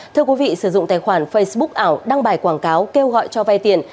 thưa quý vị sử dụng tài khoản facebook ảo đăng bài quảng cáo kêu gọi cho vay tiền